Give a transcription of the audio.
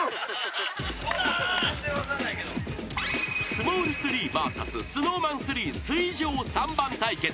［スモール３ＶＳＳｎｏｗＭａｎ３水上３番対決］